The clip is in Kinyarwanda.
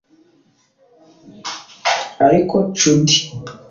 Ariko Cundy